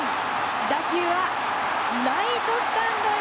打球はライトスタンドへ！